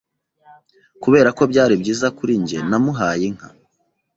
Kuberako byari byiza kuri njye namuhaye inka